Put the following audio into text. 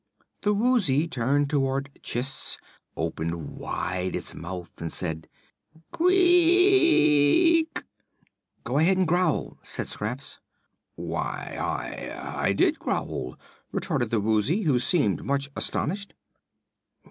The Woozy turned toward Chiss, opened wide its mouth and said: "Quee ee ee eek." "Go ahead and growl," said Scraps. "Why, I I did growl!" retorted the Woozy, who seemed much astonished.